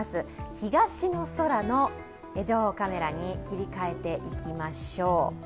東の空の情報カメラに切り替えていきましょう。